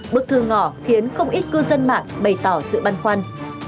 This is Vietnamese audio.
bức thư ngỏ khiến không ít cư dân mạng bày tỏ sự băn khoăn